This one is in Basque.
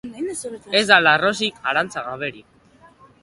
Ez da larrosik, arantza gaberik.